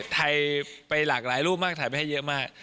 ถ่ายไปหลากหลายรูปมากถ่ายไปให้เยอะมาก